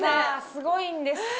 すごいんです。